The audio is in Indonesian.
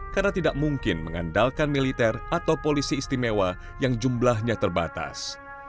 karena tidak mungkin mengandalkan militer atau polisi istimewa yang jumlahnya terbatas